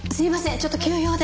ちょっと急用で。